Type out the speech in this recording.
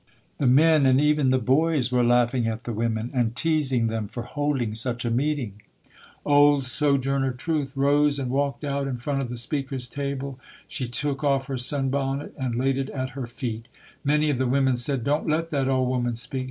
The men and even the boys were laughing at the women and teasing them for holding such a meeting. Old "Sojourner Truth" rose and walked out in front of the speakers' table. She took off her sun bonnet and laid it at her feet. Many of the women said, "Don't let that old woman speak.